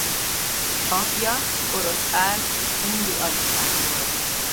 Apja Orosz Pál ungi alispán volt.